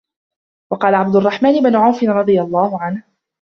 وَقَالَ عَبْدُ الرَّحْمَنِ بْنُ عَوْفٍ رَضِيَ اللَّهُ